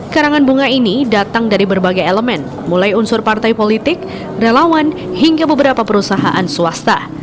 karangan bunga ini datang dari berbagai elemen mulai unsur partai politik relawan hingga beberapa perusahaan swasta